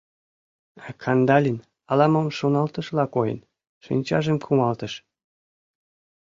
— Кандалин, ала-мом шоналтышыла койын, шинчажым кумалтыш.